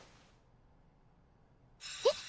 えっ！？